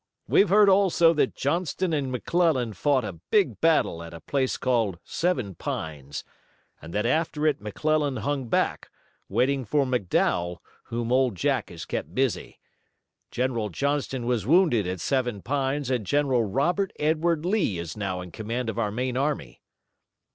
We've heard also that Johnston and McClellan fought a big battle at a place called Seven Pines, and that after it McClellan hung back, waiting for McDowell, whom Old Jack has kept busy. General Johnston was wounded at Seven Pines and General Robert Edward Lee is now in command of our main army."